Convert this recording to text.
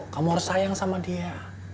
kamu harus sayang sama dia